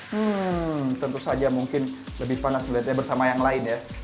hmm tentu saja mungkin lebih panas melihatnya bersama yang lain ya